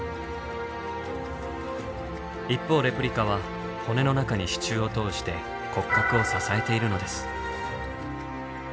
一方レプリカは骨の中に支柱を通して骨格を支えているのです。